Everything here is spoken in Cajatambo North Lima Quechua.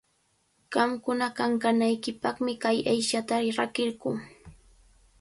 Qamkuna kankanaykipaqmi kay aychata rakirquu.